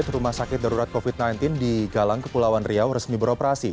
empat rumah sakit darurat covid sembilan belas di galang kepulauan riau resmi beroperasi